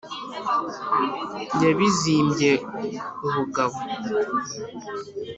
yabizimbye ubugabo